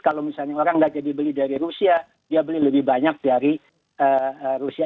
kalau misalnya orang tidak jadi beli dari rusia dia beli lebih banyak dari rusia